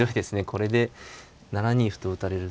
これで７二歩と打たれると。